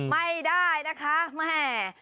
ไม่ได้นะคะแม่